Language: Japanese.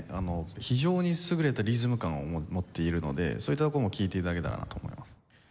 非常に優れたリズム感を持っているのでそういったところも聴いて頂けたらなと思います。